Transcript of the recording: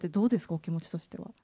お気持ちとしては。